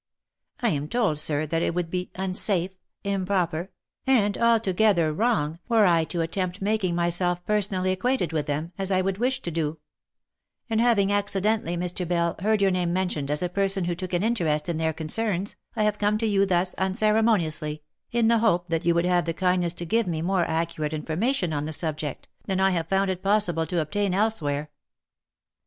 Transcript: I am told, sir, that it would be unsafe, improper, and altogether wrong were I to attempt making myself personally acquainted with them, as I would wish to do — and having accidentally, Mr. Bell, heard your 200 THE LIFE AND ADVENTURES name mentioned as a person who took an interest in their concerns, I have come to you thus unceremoniously, in the hope that you would have the kindness to give me more accurate information on the subject, than I have found it possible to obtain elsewhere.